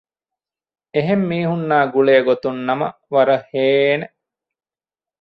އެހެން މީހުންނާ ގުޅޭ ގޮތުން ނަމަ ވަރަށް ހޭނނެ